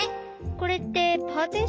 これってパーティション？